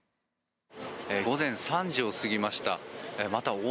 午前３時を過ぎました。